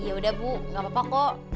yaudah bu gak apa apa kok